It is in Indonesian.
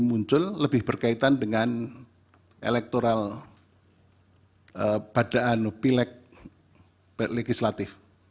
muncul lebih berkaitan dengan elektoral pada pileg legislatif